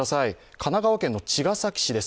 神奈川県の茅ヶ崎市です。